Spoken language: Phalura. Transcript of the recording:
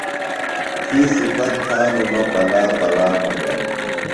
تھی صِفت تھانوۡ مہ پلا پلا مگر۔